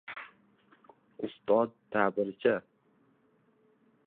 Ustod ta’biricha: